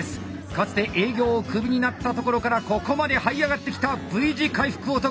かつて営業をくびになったところからここまではい上がってきたＶ字回復男。